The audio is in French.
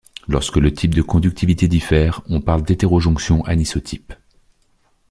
Lorsque le type de conductivité diffère, on parle d'hétérojonction anisotype.